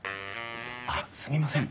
あっすみません。